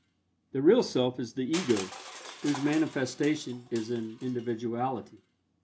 The real Self is the Ego, whose manifestation is in individuality.